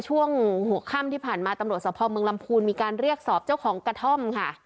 ช่วงหัวค่ำที่ผ่านมาตำรวจสภเมืองลำพูนมีการเรียกสอบเจ้าของกระท่อมค่ะ